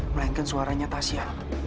melainkan suaranya tasya